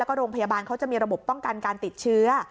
แล้วก็โรงพยาบาลเขาจะมีระบบป้องกันการติดเชื้อ